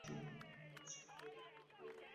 সেখান থেকে তিনি উপকূল বরাবর উত্তর দিকে অগ্রসর হন।